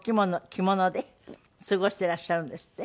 着物で過ごしていらっしゃるんですって？